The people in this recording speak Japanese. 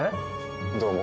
どうも。